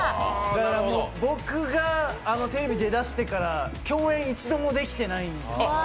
僕がテレビに出だしてから共演を一度もできていないんです。